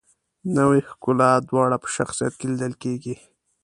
نوې ښکلا دواړه په شخصیت کې لیدل کیږي.